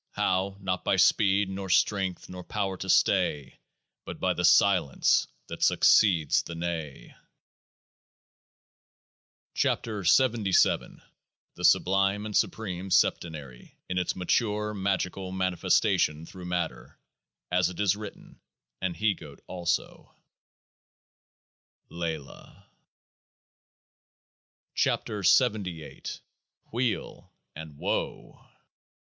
How? Not by speed, nor strength, nor power to stay, But by the Silence that succeeds the Neigh ! 93 KEOAAH OZ THE SUBLIME AND SUPREME SEP TENARY IN ITS MATURE MAGICAL MANIFESTATION THROUGH MAT TER : AS IT IS WRITTEN : AN HE GOAT ALSO Laylah. KEOAAH OH WHEEL AND— WO A !